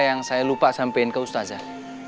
yang saya lupa sampaiin ke ustazah